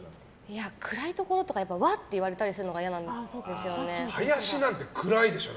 いや、暗いところとかわっ！って言われたりするのが林なんて暗いでしょ。